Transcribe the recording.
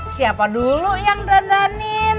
siapa dulu yang dandanin